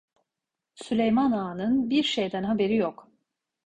Süleyman Ağa'nın bir şeyden haberi yok…